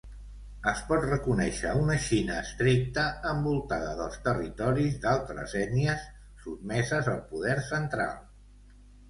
Es pot reconèixer una Xina estricta envoltada dels territoris d'altres ètnies, sotmeses al poder central.